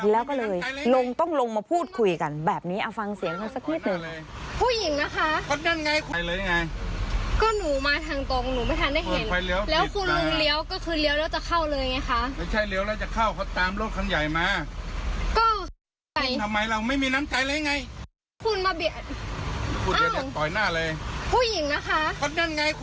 แล้วก็เลยลงต้องลงมาพูดคุยกันแบบนี้เอาฟังเสียงเขาสักนิดหนึ่ง